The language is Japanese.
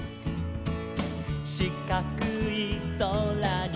「しかくいそらに」